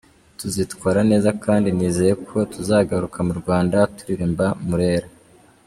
Tuzitwara neza kandi nizeye ko tuzagaruka mu Rwanda turirimba Murera”.